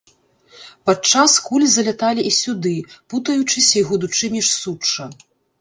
Падчас кулі заляталі і сюды, путаючыся і гудучы між сучча.